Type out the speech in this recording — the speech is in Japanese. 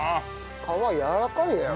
皮やわらかいね。